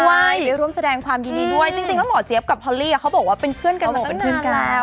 ใช่ได้ร่วมแสดงความยินดีด้วยจริงแล้วหมอเจี๊ยบกับพอลลี่เขาบอกว่าเป็นเพื่อนกันมาตั้งนานแล้ว